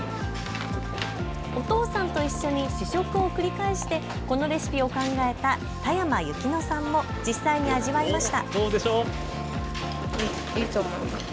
お父さんと一緒に試食を繰り返してこのレシピを考えた田山侑希乃さんも実際に味わいました。